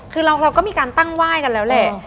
คือเราก็มีการตั้งไหว้กันแล้วแหละ